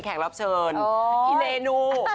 แขกรับเชิญกินเมนู